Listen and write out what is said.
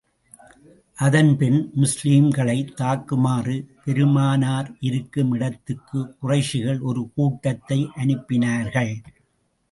அதன் பின், முஸ்லிம்களைத் தாக்குமாறு பெருமானார் இருக்கும் இடத்துக்குக் குறைஷிகள் ஒரு கூட்டத்தை அனுப்பினார்கள்.